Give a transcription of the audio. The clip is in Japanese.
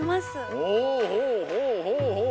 ほうほうほうほうほう。